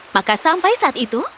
maka sampai saat itu